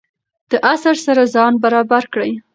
د عصر سره ځان برابر کړئ.